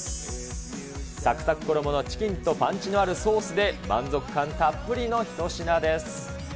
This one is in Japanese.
さくさく衣のチキンとパンチのあるソースで、満足感たっぷりの一品です。